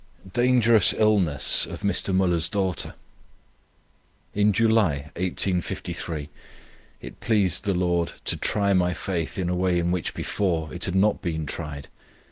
DANGEROUS ILLNESS OF MR. MÜLLER'S DAUGHTER. "In July, 1853, it pleased the Lord to try my faith in a way in which before it had not been tried.